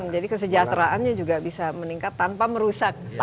jadi kesejahteraannya juga bisa meningkat tanpa merusak hutan